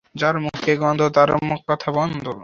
তার পানীয় কতো পবিত্র আর কতো শীতল স্নিগ্ধ।